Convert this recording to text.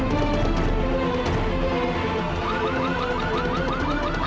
pak ferry kamu mau ke rumah